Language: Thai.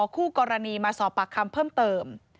คู่กรณีมาสอบปากคำเพิ่มเติม